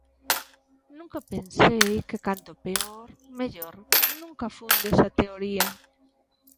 Nunca pensei que canto peor, mellor, nunca fun desa teoría.